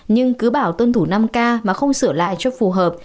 nhưng cứ bảo tuân thủ năm k mà không sửa lại cho phù hợp